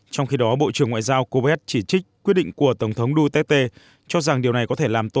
trong khi đó bộ trưởng ngoại giao kovet chỉ trích quyết định của tổng thống duterte cho rằng điều này có thể làm